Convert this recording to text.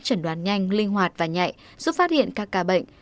chẩn đoán nhanh linh hoạt và nhẹ giúp phát hiện các ca bệnh